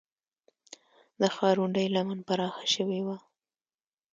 د ښارونډۍ لمن پراخه شوې وه